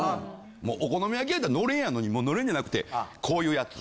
もうお好み焼き屋やったらのれんやのにのれんじゃなくてこういうやつ。